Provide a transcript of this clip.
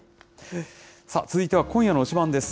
続いては今夜の推しバン！です。